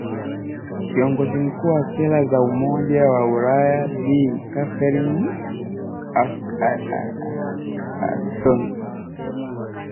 kiongozi mkuu wa sera za umoja wa ulaya bi catherine ashton